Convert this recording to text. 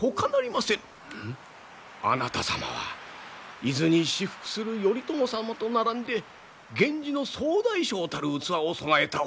あなた様は伊豆に雌伏する頼朝様と並んで源氏の総大将たる器を備えたお方。